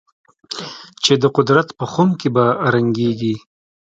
چې د قدرت په خُم کې به رنګېږي.